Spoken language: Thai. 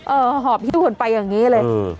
เออหอบที่ทุกคนไปอย่างนี้เลย